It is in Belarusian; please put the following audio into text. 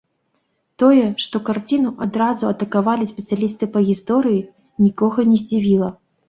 Тое, што карціну адразу атакавалі спецыялісты па гісторыі, нікога не здзівіла.